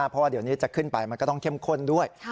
เพราะว่าเดี๋ยวนี้จะขึ้นไปมันก็ต้องเข้มข้นด้วย